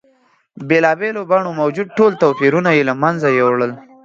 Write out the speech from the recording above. بېلا بېلو بڼو موجود ټول توپیرونه یې له منځه یوړل.